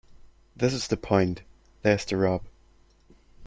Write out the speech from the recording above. This is the point. There's the rub.